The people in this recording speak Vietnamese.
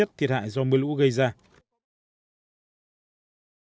trước tình hình mưa lũ diễn biến phức tạp ban chỉ huy phòng chống thiên tai và tài sản đến vùng an toàn